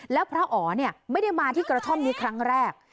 แล้วพระอ๋อไม่ได้มาที่กระท่อมนี้ครั้งแรก